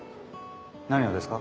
何がですか？